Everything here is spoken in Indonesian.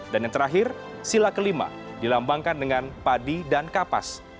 dan yang terakhir sila kelima dilambangkan dengan padi dan kapas